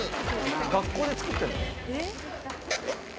学校で作ってるの？え？